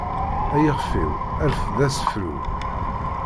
Ay ixef-iw rfed asefru.